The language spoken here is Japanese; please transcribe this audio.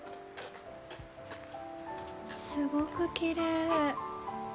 すごくきれい。